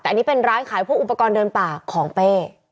แต่อันนี้เป็นร้านขายพวกอุปกรณ์เดินป่าของเป้